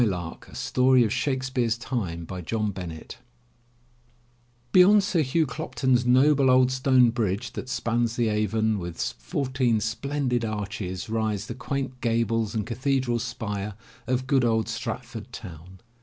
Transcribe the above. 151 M Y BOOK HOUSE *SHAKESPEARE, WILLIAM (English, 1564 1616) Beyond Sir Hugh Clopton's noble old stone bridge that spans the Avon with fourteen splendid arches rise the quaint gables and cathedral spire of good old Stratford town.